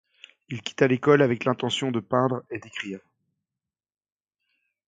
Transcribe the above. Il quitta l'école avec l'intention de peindre et d'écrire.